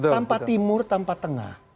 tanpa timur tanpa tengah